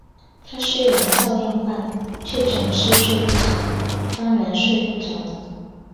他虽然照样办，却总是睡不着，当然睡不着的